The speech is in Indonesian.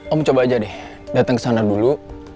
om coba aja deh datang ke sana dulu